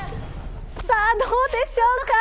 さあ、どうでしょうか。